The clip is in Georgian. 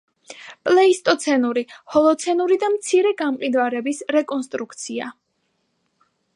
პლეისტოცენური, ჰოლოცენური და მცირე გამყინვარების რეკონსტრუქცია.